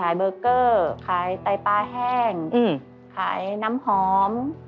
เบอร์เกอร์ขายไตปลาแห้งขายน้ำหอม